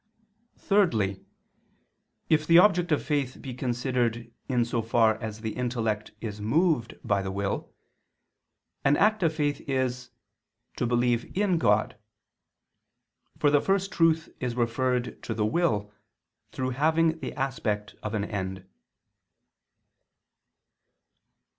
Thirdly, if the object of faith be considered in so far as the intellect is moved by the will, an act of faith is "to believe in God." For the First Truth is referred to the will, through having the aspect of an end.